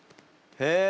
へえ！